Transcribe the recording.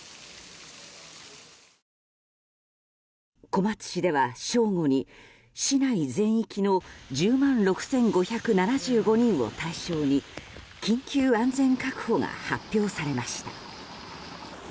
小松市では、正午に市内全域の１０万６５７５人を対象に緊急安全確保が発表されました。